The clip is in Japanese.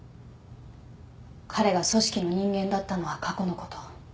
彼が組織の人間だったのは過去のこと。